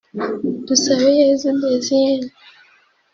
Dusabeyezu Thacienne